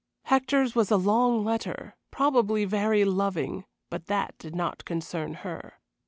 Hector's was a long letter; probably very loving, but that did not concern her.